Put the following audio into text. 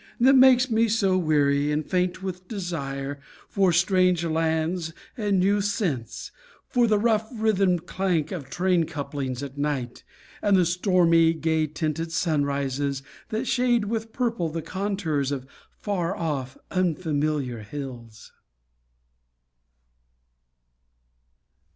That makes me so weary and faint with desire For strange lands and new scents; For the rough rhythmed clank Of train couplings at night, And the stormy, gay tinted sunrises That shade with purple the contours Of far off, unfamiliar hills.